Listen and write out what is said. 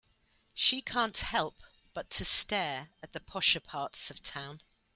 She can't help but to stare at the posher parts of town.